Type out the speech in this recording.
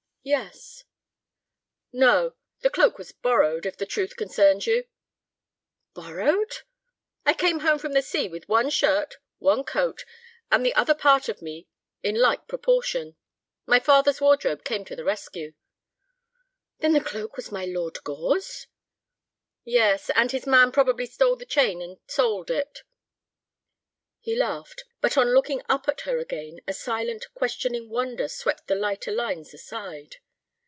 "Yes." "No. The cloak was borrowed, if the truth concerns you." "Borrowed?" "I came home from sea with one shirt, one coat, and the other part of me in like proportion. My father's wardrobe came to the rescue." "Then the cloak was my Lord Gore's?" "Yes; and his man probably stole the chain and sold it." He laughed; but on looking up at her again a silent, questioning wonder swept the lighter lines aside.